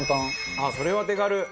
ああそれは手軽。